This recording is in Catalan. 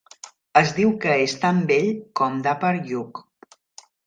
Es diu que és tan vell com Dwapar Yug.